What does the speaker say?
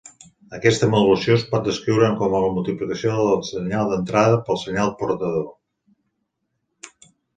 Aquesta modulació es pot descriure com la multiplicació del senyal d'entrada pel senyal portador.